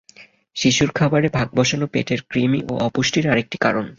শিশুর খাবারে ভাগবসানো পেটের কৃমি ও অপুষ্টির আরেকটি কারণ।